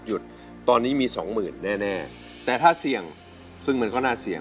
หยุดตอนนี้มีสองหมื่นแน่แต่ถ้าเสี่ยงซึ่งมันก็น่าเสี่ยง